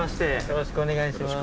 よろしくお願いします。